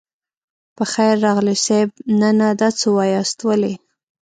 په خير راغلئ صيب نه نه دا څه واياست ولې.